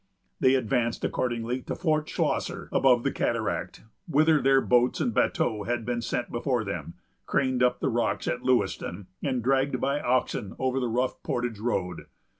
They advanced, accordingly, to Fort Schlosser, above the cataract, whither their boats and bateaux had been sent before them, craned up the rocks at Lewiston, and dragged by oxen over the rough portage road.